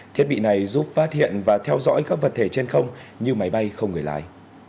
thiết bị này giúp phát hiện và theo dõi các vật thể trên không như máy bay không người lái